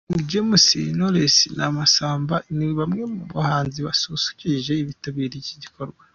King James, Knowless na Massamba ni bamwe mu bahanzi basusurukije abitabiriye iki gikorwa.